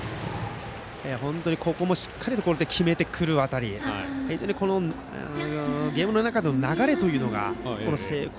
本当にここもしっかりと決めてくる辺り非常にゲームの中での流れを聖光